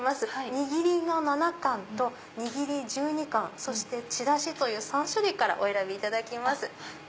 にぎりの７貫とにぎり１２貫そしてちらしという３種類からお選びいただけます。